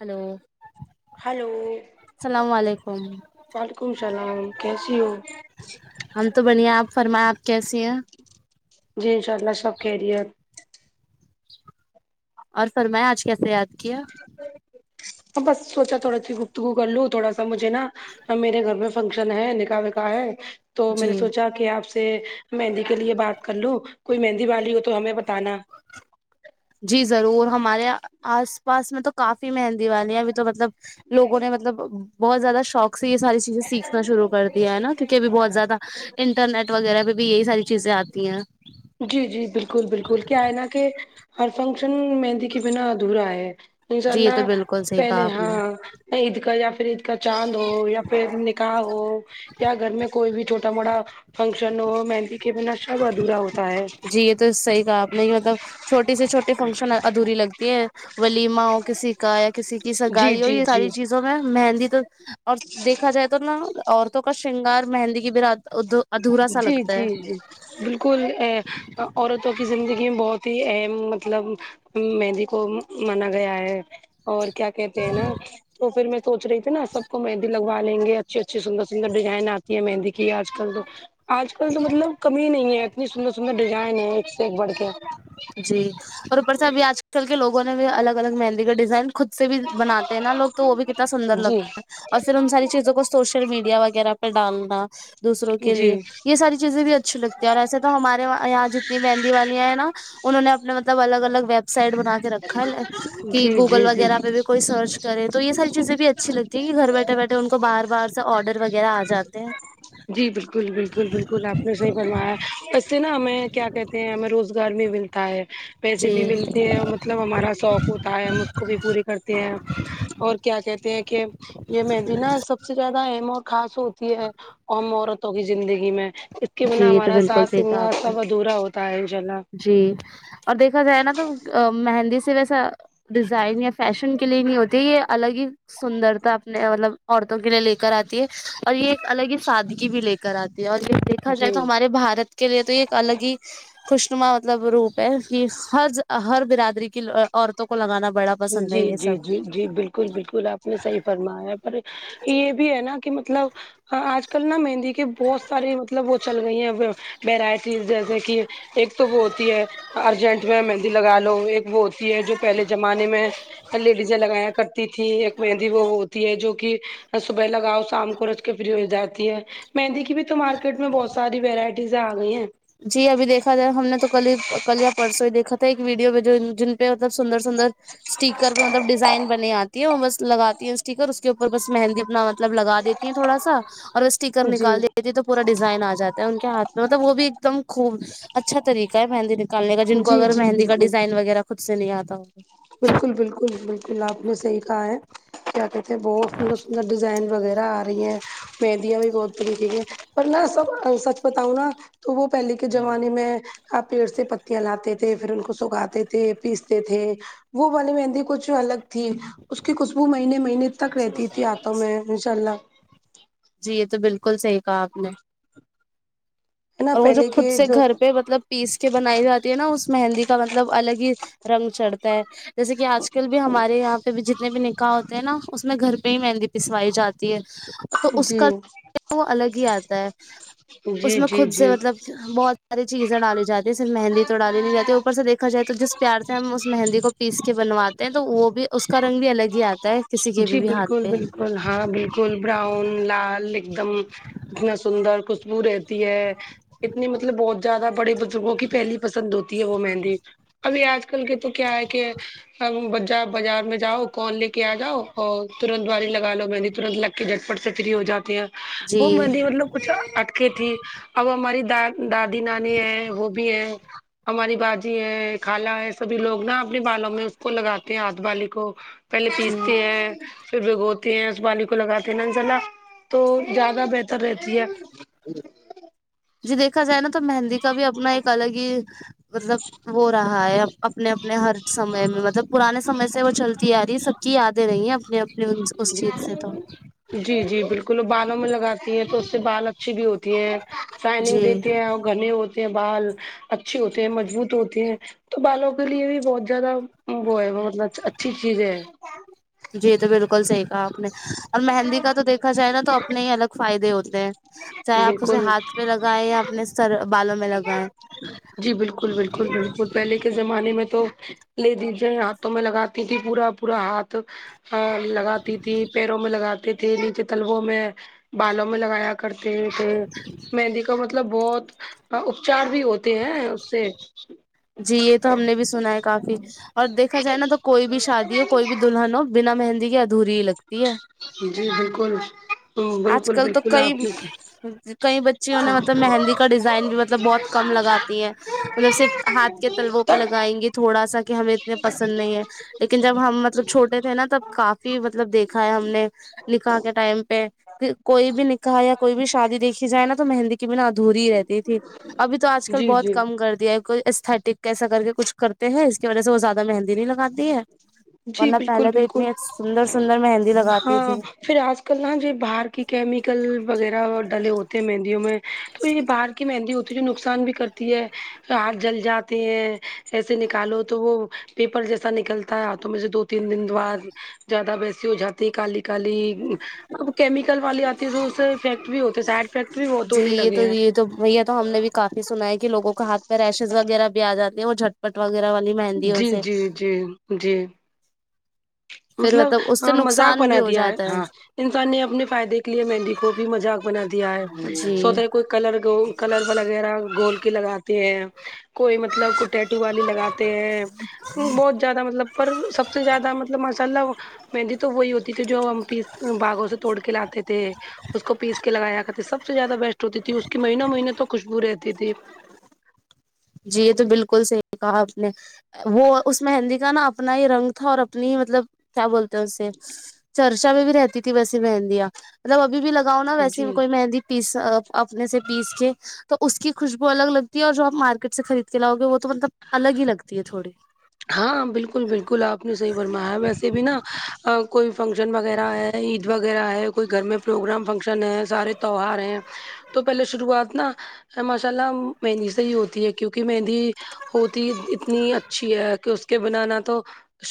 hello hello سلام وعلیکم وعلیکم السلام کیسی ہو ہم تو بنیا ہے آپ فرمائیں آپ کیسی ہیں جی انشاء اللہ سب خیریت اور فرمائے آج کیسے یاد کیا ہ بس سوچا تھوڑا سی گفتگو کر لوں تھوڑا سا مجھے نا میرے گھر میں فنکشن ہے نکاح وکاح ہے تو میں جی نے سوچا کہ آپ سے سے مہندی کے لیے بات کر لو ں کوئی مہندی والی ہو تو ہمیں بتانا جی ضرور ہمارے آس پاس میں تو کافی مہندی والیاں ابھی تو مطلب لوگوں نے مطلب بہت زیادہ شوق سے یہ ساری چیز چزیں سیکھنا شروع کر دیا ہے نا کیونک ا بھی بہت زیادہ انٹرنیٹ وغیرہ پہ بھی یہی ساری چیزیں آتی ہیں جی جی بالکل بالکل کیا ہےنا کہ ہر فنکشن مہندی کے بنا ادھورا ہے انشاء جی یہ اللہ تو بالکل صحیح کہا پہلے آپ نے ہاں عید کا یا پھر عید کا چاند ہو یا پھر نکاح ہو یا گھر میں کوئی بھی چھوٹ اتنامڑا فنکشن ہو مہندی کے بنا سب ادھورا ہوتا ہے جی یہ تو صحیح کہا آپ نے مطلب چھوٹی سے چھوٹی فنکشن ادھوری لگتی ہیں ولیمہ ہو کسی کا یا کسی کی جی سگائی ہو جی یہ جی ساری چیز زوں میں مہندی تو اور دیکھا جائے تو نا عورتوں کا شرنگار مہندی کی براد ہو تو ادھورا سا جی لگتا جی ہے جی بالکل ا عورتوں کی زندگی میں بہت ہی اہم مطلب مہندی کو مانا گیا ہے اور کیا کہتے ہیں نا تو پھر میں سوچ رہی تھی نا سب کو مہندی لگوا لیں گے اچھی اچھی سندرسندر ڈیزائن آتی ہے مہندی کی آج کل تو آج کل تو مطلب کمی نہیں ہے اتنی سندر سندر ڈیزائن ہے ایک سے ایک بڑھ کے جی اور اوپر سے ابھی آج کل کے لوگوں نے بھی الگ الگ مہندی کا ڈیزائن خود سے بھی بناتے ہیں نالوگ تو وہ بھی کتنا سندر جی لگتا ہے اور پھر ان ساری چیزوں کو سوشل میڈیا وغیرہ پے ڈالنا دوسروں کے جی لیے یے ساری چیزیں بھی اچھی لگتی ہے اور ایسے تو ہمارے وہاں اتنی مہندی والیاں ہیں نا انہوں نے اپنے مطلب الگ الگ ویب سائٹ بنا کے رکھا ہے لے کی جی گوگل جی جی وغیرہ پے بھی کوئی سرچ کرے تو یے ساری چیزیں بھی اچھی لگتی ہیں کی گھر بیٹھے بیٹھے ان کو باہر باہر سے آڈر وغیرہ آ جاتے ہیں جی بالکل بالکل بالکل آپ نے صحیح فرمایا ہے اس سے نا ہمیں کیا کہتے ہیں ہمیں روزگار بھی ملتا ہے پیسے جی بھی ملتے ہیں مطلب ہمارا سوق ہوتا ہے ہم اس کو بھی پوری کرتے ہیں اور کیا کہتے ہیں کہ یے مہندی نا سب سے زیادہ اہم اور خاص ہوتی ہے ہم عورتوں کی زندگی میں کے جی بنا یے تو ہمارا بالکل ساس صحیح کہا سنگار آپ نے سب ادھورا ہوتا ہے انشاء اللہ جی اور دیکھا جائے نا تو مہندی سے ویسا ڈیزائن یا فیشن کے لیے ہی نہیں ہوتی یے الگ ہی سندرتا اپنے مطلب عورتوں کے لیے لے کر آتی ہے اور یے ایک الگ ہی سادی کی بھی لے کر آتی ہے اور یے دیکھا جائے جی تو ہمارے بھارت کے لیے تو یے ایک الگ ہی خوشنما مطلب روپ ہے کی ہر ہر برادری کی عورتوں کو لگانا بڑا پسند جی ہے یہ جی سب جی جی بالکل بالکل آپ نے صحیح فرمایا پر یے بھی ہے نا کہ مطلب آج کل نا مہندی کہ بہت ساری مطلب وہ چل گئی ہیں ویرائٹیز جیسے کی ایک تو وہ ہوتی ہے ارجنٹ میں مہندی لگا لو ایک وہ ہوتی ہے جو پہلے زمانے میں لیڈیز لگایا کرتی تھی ایک مہندی وہ ہوتی ہے جو کی صبح لگاؤ شام کو ہو جاتی ہے مہندی کی بھی تو مارکیٹ میں بہت ساری وورائٹیز آ گئی ہیں جی ابھی دیکھا جائے ہم نے تو کل کل پرسوں ہی دیکھا تھا ایک ویڈیو میں جو جن پے مطلب سندر سندر اسٹیکر پے مطلب ڈیزائن بنی آتی ہے اور بس لگاتی ہیں اسٹیکر کے اوپر بس مہندی اپنا مطلب لگا دیتی ہیں تھوڑا سا اور اسٹیکر جی نکال دیتی تو پورا ڈیزائن آ جاتا ہے ان کے ہاتھ میں مطلب وہ بھی ایک دم خوب اچھا طریقہ ہے مہیندی کالنے کا جن کو جی اگر جی مہندی کا بالکل ڈیزائن وغیرہ خود سے نہیں آتا ہو تو بالکل بالکل بالکل آپ نے صحیح کہا ہے کیا کہتے ہے بہت سندر سندر ڈیزائن وغیرہ آ رہی ہیں مہیندیاں بھی بہت قیمتی ہے پر نہ سب سچ بتاؤں نا تو وہ پہلے کے زمانے میں آپ پیڑ سے پتیاں لاتے تھے پھر ان کو سکھاتے تھے پیستے تھے وہ والی مہندی کچھ الگ تھی اس کی خوشبو مہینے مہینے تک رہتی تھی ہاتھوں میں ماشاءاللہ جی یے تو بالکل صحیح کہا آپ نے ہے نا اور وہ جو پہلے خود کے سے جو گھر پے مطلب پیس کے بنائی جاتی ہے نا اس مہندی کا مطلب الگ ہی رنگ چڑھتا ہے جیسے کی آج کل بھی ہمارے یہاں پے بھی جتنے بھی نکاح ہوتے ہیں نا اس میں گھر پے ہی مہندی پسوائی جاتی ہے تو اس جی کا [unintelligible] وہ الگ ہی آتا ہے جی اس میں جی خود جی سے مطلب بہت ساری چیزیں ڈالی جاتی ہیں صرف مہندی تو ڈالی نہیں جاتی اوپر سے دیکھا جائے تو جس پیار سے ہم اس مہندی کو پیس کے بنواتے ہیں تو وہ بھی اس کا رنگ بھی الگ ہی آتا ہے کسی کے جی بھی بھی ہاتھ بالکل پہ بالکل ہاں بالکل براؤن لال ایک دم اتنا سندر خوشبو رہتی ہے اتنی مطلب بہت زیادہ بڑی لوگوں کی پہلی پسند ہوتی ہے وہ مہندی ابھی آج کل کے تو کیا ہے کہ بجا بازار میں جاؤ کون لے کے آ جاؤ اور ترنت والی لگا لو مہندی ترنت لگ کے جھٹ پٹ سے فری ہو جاتی ہیں جی وہ مہندی مطلب کچھ اٹکے تھی اب ہماری دا دادی نانی ہے وہ بھی ہے ہماری باجی ہے خالہ ہے سبھی لوگ نا اپنے بالوں میں اس کو لگاتے ہیں ہاتھ والی کو پہلے جی پیستے ہیں پھر بھگوتے ہیں اس والی کو لگاتے ہیں نا انشا اللہ تو زیادہ بہتر رہتی ہے جی دیکھا جائے نا تو مہندی کا بھی اپنا ایک الگ ہی مطلب وہ رہا ہے اپنے اپنے ہر سمے میں مطلب پرانے سمے سے وہ چلتی آ رہی ہے سب کی یادیں رہیں ہیں اپنے اب جی جی بال کل بالوں میں لگاتی ہیں تو اس سے بال اچھی بھی ہوتی ہیں شیئنگ جی دیتی ہیں اور گھنے ہو ٹے ہیں بال اچھے ہوتے ہیں مضبوط ہوتے ہیں تو بالوں کے لیے بھی بہت زیادہ وہ ہے مطلب اچھی چیز ہے جی یہ تو بالکل صحیح کہا آپ نے اور مہندی کا تو دیکھا جائے نا تو اپنے ہی الگ فائدے ہوتے ہیں چاہے آپ اسے بالکل ہاتھ پے لگائیں یا اپنے سر بالوں میں لگائیں جی بالکل بالکل بالکل پہلے کے زمانے میں تو لے دیجئیں ہاتھوں میں لگاتی تھی پورا پورا ہاتھ ا لگا تھی پیروں میں لگاتے تھے نیچے تلوں میں بالوں میں لگایا کرتے ہوتے مہندی کا مطلب بہت اپچار بھی ہوتے ہیں اس سے جی یہ تو ہم نے بھی سنا ہے کافی اور دیکھا جائے نا تو کوئی بھی شادی ہو کوئی بھی دلہن ہو بنا مہندی کے ادھوری ہی لگتی ہے جی بالکل آج بالکل کل تو بالکل کئی آپ نے کئی بچیوں نے مطلب مہندی کا ڈیزائن بھی مطلب بہت کم لگاتی ہیں مطلب صرف ہاتھ کے تلووں پہ لگائیں گے تھوڑا سا کہ ہمیں اتنے پسند نہیں ہے لیکن جب ہم مطلب چھوٹے تھے نا تب کافی مطلب دیکھا ہے ہم نے نکاح کے ٹائم پہ کوئی بھی نکاح یا کوئی بھی شادی دیکھی جائے نا تو مہندی کے بنا ادھوری رہتی تھی ابھی تو آج کل جی بہت جی کم کر دیا کوئی استٹھک کیسا کر کے کچھ کر تے ہیں اس کی وجہ سے وہ زیادہ مہندی نہیں لگاتی ہے جی ورنہ بالکل پہلے تو اتنی بالکل سندر سندر مہندی لگاتی ہاں تھی پھر آج کل نا جو باہر کی کیمیکل وغیرہ ڈلے ہوتے ہیں مہندیوں میں تو یہ باہر کی مہندی ہوتی ہے جو نقصان بھی کرتی ہے ہاتھ جل جاتے ہیں ایسے نکالو تو وہ پیپر جیسا نکلتا ہے ہاتھوں میں سے دو تین دن بعد زیادہ ویسی ہو جاتی ہے کالی کالی اب کیمیکل والی آتی ہے تو اسے افیکٹ بھی ہو تو سائڈ افیکٹ بھی بہت ہونے لگے ہیں تو وہی یہ تو ہم نے بھی کافی سنا ہے کہ لوگوں کے ہاتھ پہ ریشز وغیرہ بھی آ جاتے ہیں وہ جھٹپٹ وغیرہ والی مہندیوں جی سے جی جی جی پھر مطلب اس سے ہاں مذاق نقصان بنا بھی ہو دیا ہے جاتا ہاں انسان نے اپنے فائدے کے لیے مہندی کو بھی مذاق بنا دیا ہے جی سوتے کوئی کلر گو کلر وغیرہ گھول کے لگاتے ہیں کوئی مطلب کو ٹیٹو والی لگاتے ہیں بہت زیادہ مطلب پر سب سے زیادہ مط مطلب ماشا اللہ مہندی تو وہی ہوتی تھی جو ہم پیس باغوں سے توڑ کے لاتے تھے اس کو پیس کے لگایا کر تھے سب سے زیادہ بیسٹ ہوتی تھی اس کی مہینوں مہینوں تو خوشبو رہتی تھی جی یے تو بالکل صحیح کہا آپ نے وہ اس مہندی کا نا اپنا ہی رنگ تھا اور اپنی ہی مطلب کیا بولتے ہیں اسے چرچا میں بھی رہتی تھی ویسی مہندیاں مطلب ابھی بھی لگاؤ نا ویسی جی کوئی مہندی پیس اپنے سے پیس کے تو اس کی خوشبو الگ لگتی ہے اور جوہم مارک کٹ سے خرید کے لاؤ گے وہ تو مطلب الگ ہی لگتی ہے تھوڑی ہاں بالکل بالکل آپ نے صحیح فرمایا ویسے بھی نا کوئی فنکشن وغیرہ ہے عید وغیرہ ہے کوئی گھر میں پروگرام فنکشن شن ہیں سارے تیوار ہیں تو پہلے شروعات نا ماشا اللہ مہندی سے ہی ہوتی ہے کیونکی مہندی ہوتی اتنی اچھی ہے پھر اس کے بنا نا تو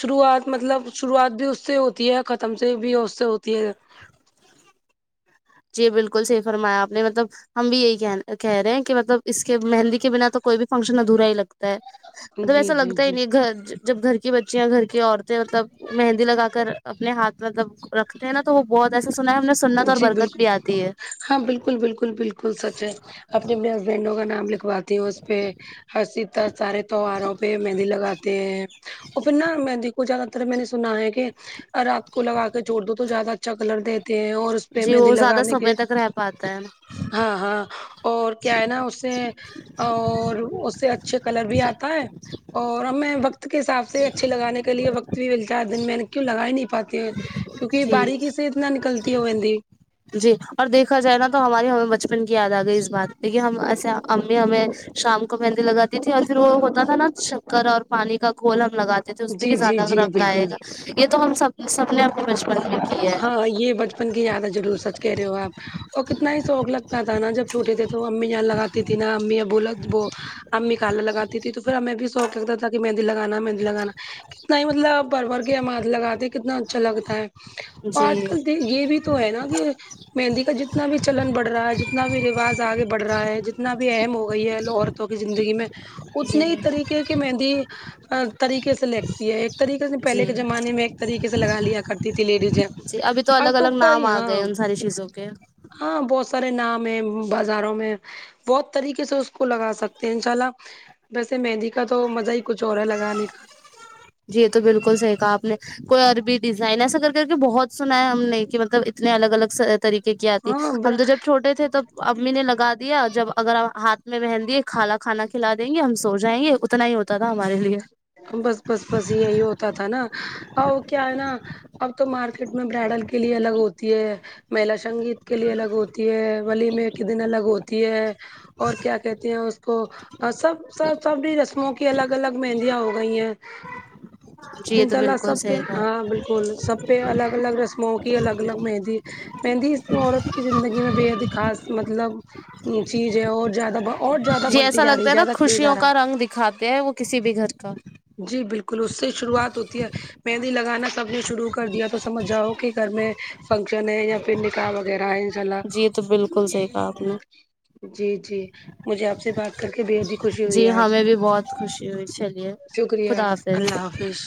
شروعات مطلب شروعات بھی اس سے ہوتی ہے ختم سے بھی اس سے ہوتی ہے جی بالکل صحیح فرمایا آپ نے مطلب ہم بھی یہی کی کہہ رہے ہیں کی مطلب اس کے مہندی کے بنا تو کوئی بھی فنکشن ادھورا ہی لگتا مطلب جی ایسا جی لگتا ہی جی نہیں گھر جب گھر کی بچیا گھر کی عورتیں مطلب مہندی لگا کر اپنے ہاتھ مطلب رکھتے ہیں نا تو وہ بہت ایسا سنا ہے ہم نے سنت اور جی برکت بالکل بھی آتی ہے ہاں بالکل بالکل بالکل سچ ہے اپنے اپنے ہسبینڈوں کا نام لکھوا تی ہوں اس پے ہسی تا سارے تہواروں پے مہندی لگاتے ہیں اور پھر نا مہندی وہ زیادہ تر میں نے سنا ہے کہ رات کو لگا کے چھوڑ دو تو زیادہ اچھا کلر دے تے ہے اور اس پے جی مہندی وہ زیادہ لگانے کے سمے تک رہ پاتا ہے ہاں ہاں اور اور کیا ہے نا اسے اور اسے اچھے کلر بھی آتا ہے اور ہم میں وقت کے حساب سے اچھے لگانے کے لیے وقت بھی چار دن میں کیوں لگا ہی نہیں پاتے ہے کیونکی جی باریک سے اتنا نکلتی وہ مہندی جی اور دیکھا جائے نا تو ہماری ہمیں بچپن کی یاد آ گئی اس بات پے ہم ایسے امی ہمیں شام کو مہندی لگاتی تھی اور پھر وہ ہوتا تھا نا شککر اور پانی کا گھول ہم لگاتے تھے اس پے جی کی جی زیادہ جی رنگ بالکل آئے گا یے تو ہم سب سب نے اپنے بچپن میں کی ہے ہاں یے بچپن کی یاد ہے ضرور سچ کہہ رہے ہو آپ اور کتنا ہی شوق لگتا تھا نا جب چھوٹے تھے تو وہ امی جان لگاتی تھی نا امی ابو وہ امی کل لگاتی تھی تو پھر ہمیں بھی سوق لگتا تھا کی میہن مہندی لگانا مہندی لگانا کتنا ہی مطلب بھر بھر کے ہم ہاتھ لگاتے ہیں کتنا اچھا لگتا ہے آج جی کل دے یے بھی تو ہے نا کہ مہندی کا جتنا بھی چلن بڑھ رہا ہے جتنا بھی رواج آگے بڑھ رہا ہے جنا تنا بھی اہم ہو گئی ہے عورتوں کی زندگی میں جی اتنے ہی طریقے کہ مہندی طریقے سے لگتی ہے ایک طریقے سے جی پہلے کے زمانے میں ایک طریقے سے لگا لیا کرتی تھی لیڈیزیں جی ابھی تو اب الگ الگ نام کئی آ ہاں گئے ان ساری چیزوں کے ہاں بہت سارے نام ہے بازاروں میں بہت طریقے سے اس کو لگا سکتے ہیں ان شاء اللہ ویسے مہندی کا تو مزہ ہی کچھ اور ہے لگانے کا جی یے تو بالکل صحیح کہا آپ نے کوئی عربی ڈیزائن ایسا کر کر کے بہت سنا ہے ہم نے کہ مطلب اتنے الگ الگ طریقے کی کا آتی ہاں ہم تو جب چھوٹے تھے تب امی نے لگا دیا جب اگر ہاتھ میں مہندی ہے خالا کھانا کھلا دیں گے ہم سو جائیں گے اتنا ہی ہوت تا تھا ہمارے لیے بس بس بس یہی ہوتا تھا نا وہ کیا ہے نا اب تو مارکیٹ میں برائڈل کے لیے الگ ہوتی ہے میلا سنگیت کے لیے الگ ہوتی ہے ولیمہ کے دن الگ ہوتی ہے اور کیا کہتے ہیں اس کو سب سب سب بھی رسموں کی الگ الگ مہین دیاں ہو گئی ہیں جی یہ تو انشاء اللہ بالکل سب کے صحیح کہا ہاں بالکل سب پہ الگ الگ رسموں کی الگ الگ مہندی مہندی اس عورت کی زندگی میں بےحد ہی خاص مطلب چیزیں ہو اور زیادہ ب جی ایسا لگتا ہے نا خوشیوں کا رنگ دکھاتے ہیں وہ کسی بھی گھر کا جی بالکل اس سے شروعات ہوتی ہے مہندی لگانا سب نے شروع کر دیا تو سمجھ جاؤ کہ گھر میں فنکشن ہے یا پھر نکاح وغیرہ ہے انشاء اللہ جی یہ تو بالکل صحیح کہا آپ نے جی جی مجھے آپ سے بات کر کے بےحد ہی خوشی ہوئی ہے جی آج ہمیں بھی بہت خوشی ہوئی اچھا شکریہ اللہ حافظ